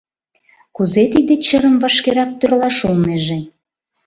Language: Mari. Кузе тиде чырым вашкерак тӧрлаш улнеже?